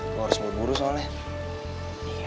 lo harus berburu soalnya